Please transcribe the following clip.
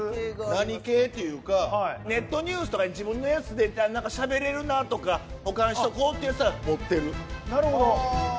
何系というかネットニュースとか自分のやつでしゃべれるなとか保管しておこうっていうやつは持ってる。